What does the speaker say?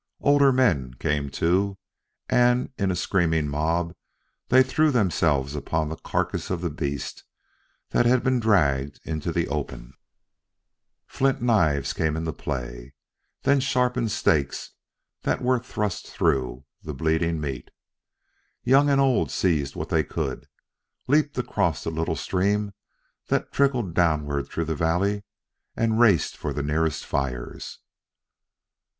Older men came, too, and in a screaming mob they threw themselves upon the carcass of the beast that had been dragged into the open. Flint knives came into play, then sharpened stakes that were thrust through the bleeding meat. Young and old seized what they could, leaped across the little stream that trickled downward through the valley, and raced for the nearest fires.